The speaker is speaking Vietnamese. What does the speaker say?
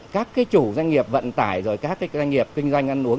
các chủ doanh nghiệp vận tải rồi các cái doanh nghiệp kinh doanh ăn uống